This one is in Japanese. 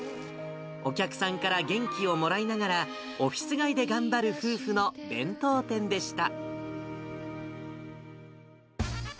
お客さんから元気をもらいながら、オフィス街で頑張る夫婦の弁当店でした。